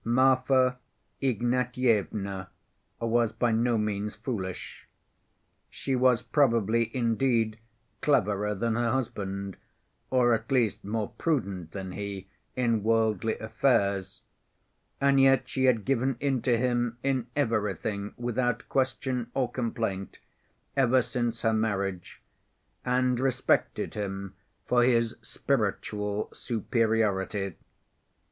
Marfa Ignatyevna was by no means foolish; she was probably, indeed, cleverer than her husband, or, at least, more prudent than he in worldly affairs, and yet she had given in to him in everything without question or complaint ever since her marriage, and respected him for his spiritual superiority.